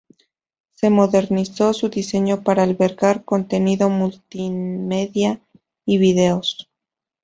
Se modernizó su diseño para albergar contenido multimedia y videos.